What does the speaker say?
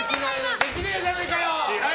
できねえじゃねえかよ！